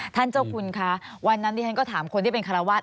ท่านเจ้าคุณคะวันนั้นที่ฉันก็ถามคนที่เป็นคาราวาส